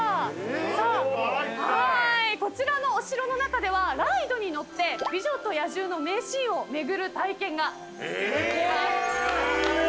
さあこちらのお城の中ではライドに乗って『美女と野獣』の名シーンを巡る体験ができます。